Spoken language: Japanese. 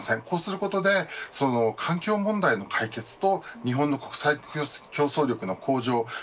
こうすることで環境問題の解決と日本の国際競争力の向上